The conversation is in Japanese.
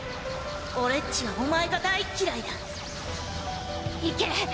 俺っちはお前が大っ嫌いだいけ！